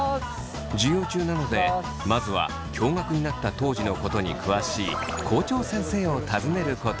授業中なのでまずは共学になった当時のことに詳しい校長先生を訪ねることに。